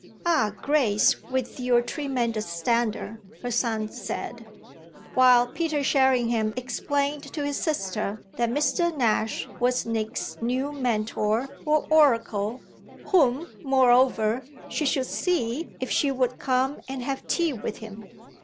"Ah Grace, with your tremendous standard!" her son said; while Peter Sherringham explained to his sister that Mr. Nash was Nick's new Mentor or oracle whom, moreover, she should see if she would come and have tea with him.